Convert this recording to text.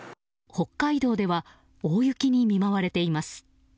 北海道では大雪に見舞われています。